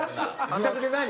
自宅で何？